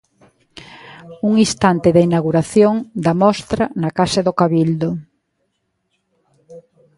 Un instante da inauguración da mostra na Casa do Cabildo.